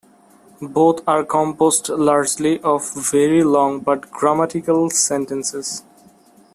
Both are composed largely of very long but grammatical sentences.